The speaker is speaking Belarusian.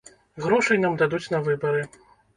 Грошай нам дадуць на выбары.